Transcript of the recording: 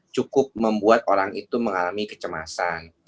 cukup membuat orang itu mengalami kecemasan